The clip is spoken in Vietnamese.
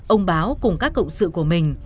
ông báo cùng các cộng sự của mình